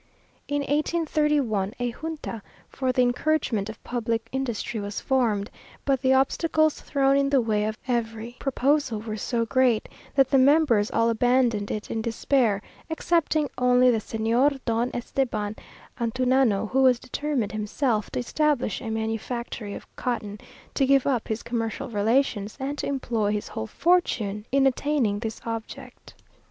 In 1831 a junta for the encouragement of public industry was formed, but the obstacles thrown in the way of every proposal were so great, that the members all abandoned it in despair, excepting only the Señor Don Esteban Antunano, who was determined himself to establish a manufactory of cotton, to give up his commercial relations, and to employ his whole fortune in attaining this object.